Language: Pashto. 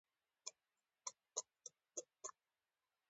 افغانستان کې د اوږده غرونه د پرمختګ هڅې روانې دي.